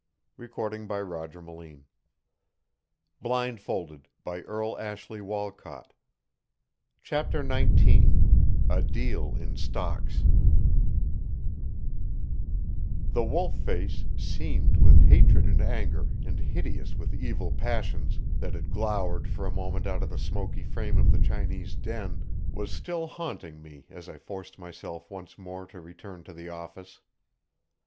I blessed and cursed at once the day that had brought me to her. CHAPTER XIX A DEAL IN STOCKS The wolf face, seamed with hatred and anger, and hideous with evil passions, that had glowered for a moment out of the smoky frame of the Chinese den, was still haunting me as I forced myself once more to return to the office.